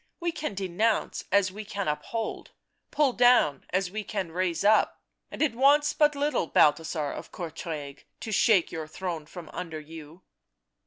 — we can denounce as we can uphold, pull down as we can raise up, and it wants but little, Balthasar of Courtrai, to shake your throne from under you."